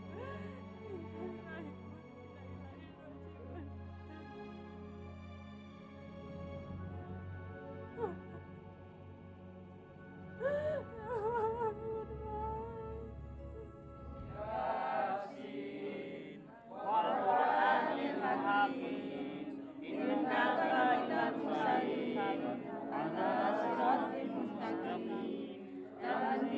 kalau saja dia tidak menghentakkan